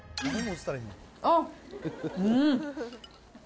あっ、うん。